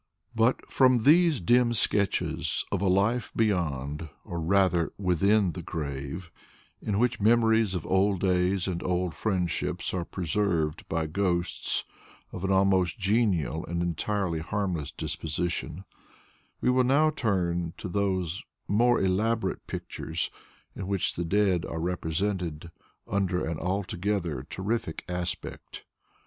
] But from these dim sketches of a life beyond, or rather within the grave, in which memories of old days and old friendships are preserved by ghosts of an almost genial and entirely harmless disposition, we will now turn to those more elaborate pictures in which the dead are represented under an altogether terrific aspect.